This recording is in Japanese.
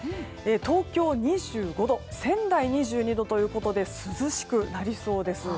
東京、２５度仙台は２２度ということで涼しくなりそうです。